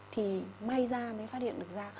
thì may ra mới phát hiện được ra